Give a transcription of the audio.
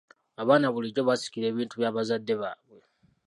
Abaana bulijjo basikira ebintu by'abazadde baabwe.